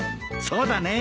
そうだね。